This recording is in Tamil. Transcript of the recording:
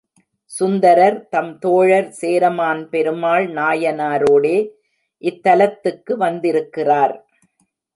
சுந்தரர் தம் தோழர் சேரமான் பெருமாள் நாயனாரோடே இத்தலத்துக்கு வந்திருக்கிறார்.